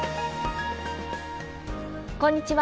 こんにちは。